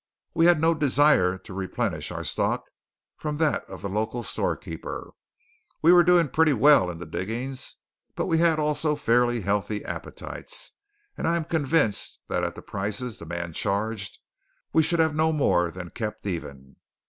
We had no desire to replenish our stock from that of the local storekeeper. We were doing pretty well in the diggings, but we had also fairly healthy appetites, and I am convinced that at the prices that man charged we should have no more than kept even.